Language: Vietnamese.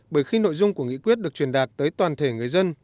bởi khi nội dung của nghị quyết được truyền đạt tới toàn thể người dân